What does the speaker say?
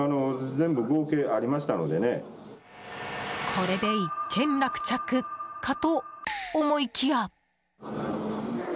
これで一件落着かと思いきや。